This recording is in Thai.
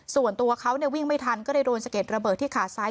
ส่วนตัวเขาวิ่งไม่ทันก็เลยโดนสะเก็ดระเบิดที่ขาซ้าย